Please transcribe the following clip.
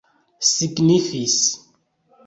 signifis